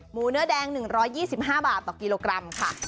เนื้อแดง๑๒๕บาทต่อกิโลกรัมค่ะ